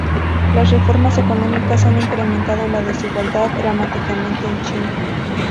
Las reformas económicas han incrementado la desigualdad dramáticamente en China.